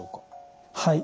はい。